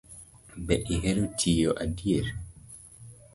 Be ihero tiyo adier?